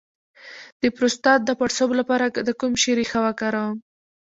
د پروستات د پړسوب لپاره د کوم شي ریښه وکاروم؟